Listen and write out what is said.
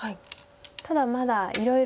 ただまだいろいろ。